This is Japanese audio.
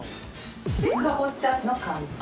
かぼちゃの寒天。